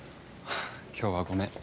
今日はごめん。